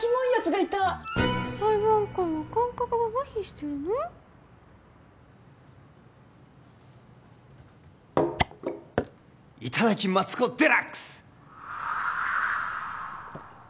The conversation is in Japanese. いただきマツコデラックス！